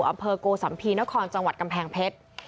อำเภอโกสัมภีนครจังหวัดกำแพงเพชร